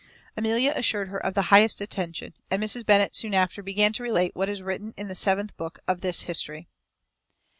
Amelia assured her of the highest attention, and Mrs. Bennet soon after began to relate what is written in the seventh book of this history.